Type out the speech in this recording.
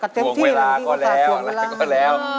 ทวงเวลาก็แล้ว